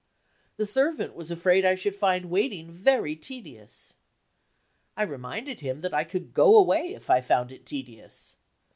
The servant was afraid I should find waiting very tedious. I reminded him that I could go away if I found it tedious.